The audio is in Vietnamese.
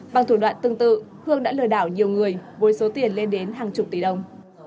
bằng thủ đoạn tương tự hương đã lừa đảo nhiều người với số tiền lên đến hàng chục tỷ đồng